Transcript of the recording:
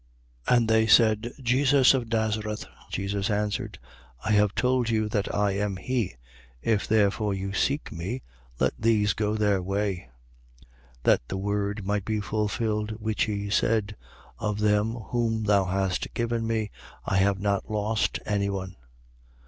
And they said: Jesus of Nazareth. 18:8. Jesus answered: I have told you that I am he. If therefore you seek me, let these go their way, 18:9. That the word might be fulfilled which he said: Of them whom thou hast given me, I have not lost any one.